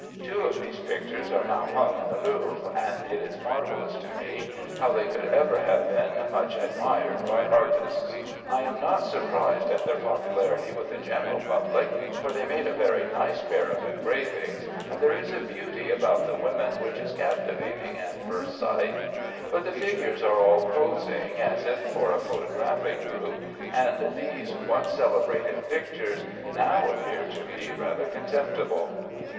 Two of these pictures are now hung in the Louvre, and it is marvellous to me how they could ever have been much admired by artists. I am not surprised at their popularity with the general public, for they made a very nice pair of engravings, and there is a beauty about the women which is captivating at first sight; but the figures are all posing, as if for a photographic group, and these once celebrated pictures now appear to me rather contemptible.